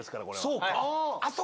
そうか。